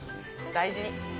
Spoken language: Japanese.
大事に。